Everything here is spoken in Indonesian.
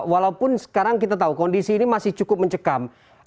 walaupun sekarang kita tahu kondisi ini masih cukup mencekam